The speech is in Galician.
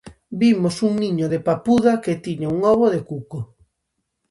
Vimos un niño de papuda que tiña un ovo de cuco.